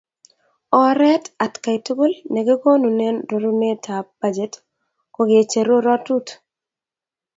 oret atkai tugul nekikonunen rorunetab bajet ko kecheru rotut